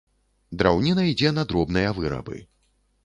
Драўніна ідзе на дробныя вырабы.